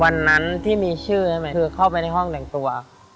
วันนั้นที่มีชื่อใช่ไหมคือเข้าไปในห้องแต่งตัว